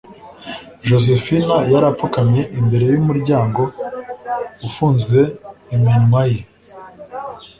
josephine yari apfukamye imbere yumuryango ufunze iminwa ye